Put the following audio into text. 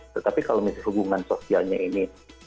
tetapi kalau misalnya hubungan sosialnya ini